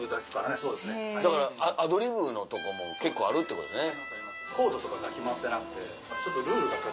だからアドリブのとこも結構あるってことですね。